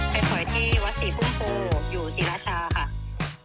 ไปปล่อยที่วัดศรีภูมิโภคอยู่ศรีราชาค่ะ